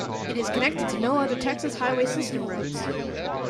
It is connected to no other Texas highway system roads.